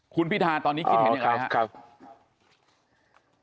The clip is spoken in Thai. คุณพิธาตอนนี้คิดเห็นอย่างไรครับ